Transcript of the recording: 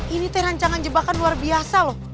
ini teh rancangan jebakan luar biasa loh